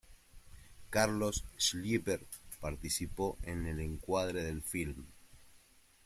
Carlos Schlieper participó en el encuadre del filme.